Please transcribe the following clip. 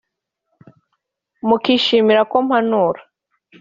mukishimira ko mpanura